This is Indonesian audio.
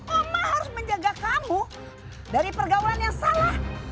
mama harus menjaga kamu dari pergaulan yang salah